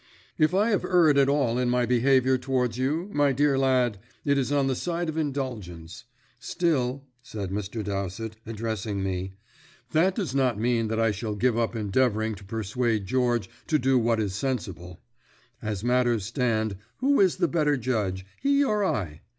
"If I have erred at all in my behaviour towards you, my dear lad, it is on the side of indulgence. Still," said Mr. Dowsett, addressing me, "that does not mean that I shall give up endeavouring to persuade George to do what is sensible. As matters stand, who is the better judge, he or I?